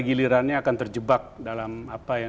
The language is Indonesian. gilirannya akan terjebak dalam apa yang